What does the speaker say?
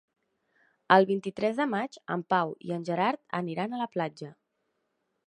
El vint-i-tres de maig en Pau i en Gerard aniran a la platja.